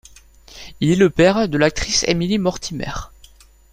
Il est le père de l'actrice Emily Mortimer.